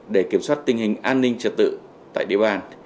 để kiểm soát tình hình an ninh trật tự tại địa bàn